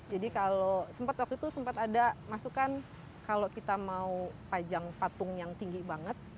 jadi kalau sempat waktu itu sempat ada masukan kalau kita mau pajang patung yang tinggi banget